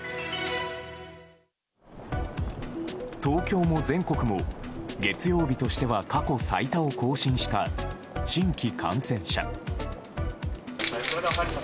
東京も全国も、月曜日としては過去最多を更新した新規感染者。